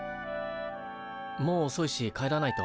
もうおそいし帰らないと。